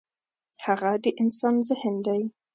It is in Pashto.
هغه د انسان ذهن دی.